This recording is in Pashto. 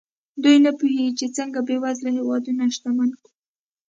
دوی نه پوهېږي چې څنګه بېوزله هېوادونه شتمن کړو.